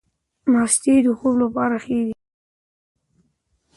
مستې د خوب لپاره ښې دي.